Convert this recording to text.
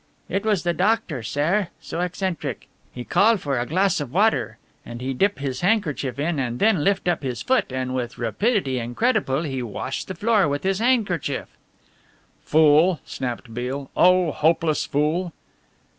"It was the doctor, sare so eccentric! He call for a glass of water and he dip his handkerchief in and then lift up his foot and with rapidity incredible he wash the floor with his handkerchief!" "Fool!" snapped Beale. "Oh, hopeless fool!"